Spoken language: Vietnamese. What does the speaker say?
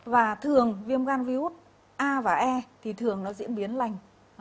và thường viêm gan virus a và e thì thường nó diễn biến lành